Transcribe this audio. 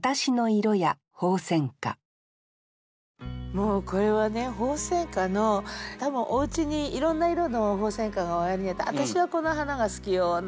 もうこれはね鳳仙花の多分おうちにいろんな色の鳳仙花がおありになって「私はこの花が好きよ」